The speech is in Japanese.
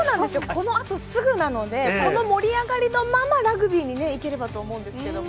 このあとすぐなので、この盛り上がりのまま、ラグビーにいければと思うんですけども。